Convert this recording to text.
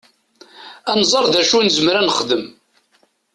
Ad nẓer d acu i nezmer ad nexdem.